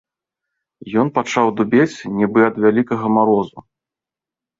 Ён пачаў дубець, нібы ад вялікага марозу.